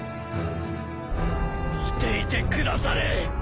見ていてくだされ。